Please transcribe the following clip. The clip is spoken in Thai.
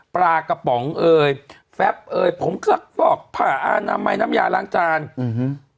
ปลากระป๋องเอ่ยแฟบเอ่ยผงซักฟอกผ้าอนามัยน้ำยาล้างจานอืม